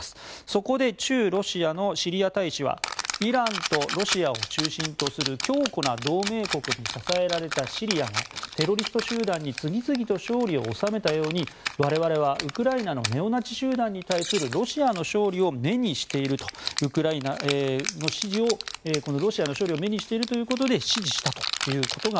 そこで駐ロシアのシリア大使はイランとロシアを中心とする強固な同盟国に支えられたシリアが、テロリスト集団に次々と勝利を収めたように我々はウクライナのネオナチ集団に対するロシアの勝利を目にしているとウクライナの支持をしたということでした。